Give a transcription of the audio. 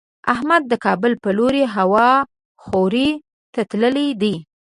احمد د کابل په لور هوا خورۍ ته تللی دی.